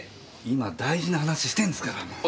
今大事な話してんすからもう。